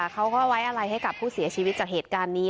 เขาก็ไว้อะไรให้กับผู้เสียชีวิตจากเหตุการณ์นี้